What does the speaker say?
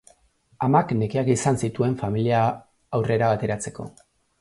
Amak nekeak izan zituen familia aurrera ateratzeko.